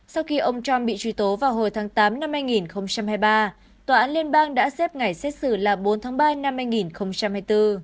sau khi ông trump bị truy tố vào hồi tháng tám năm hai nghìn hai mươi ba tòa án liên bang đã xếp ngày xét xử là bốn tháng ba năm hai nghìn hai mươi bốn